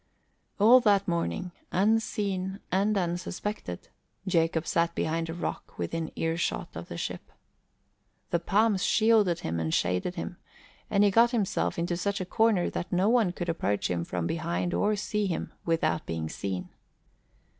All that morning, unseen and unsuspected, Jacob sat behind a rock within earshot of the ship. The palms shielded him and shaded him and he got himself into such a corner that no one could approach him from behind or see him without being seen.